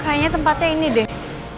kayaknya tempatnya ini deh